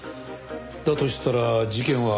だとしたら事件は。